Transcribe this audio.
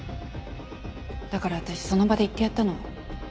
だから私その場で言ってやったの。